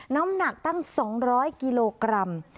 น้ำหนักตั้ง๒๐๐กิโลกรัม